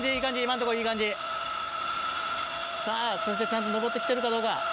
さぁそしてちゃんと上ってきてるかどうか。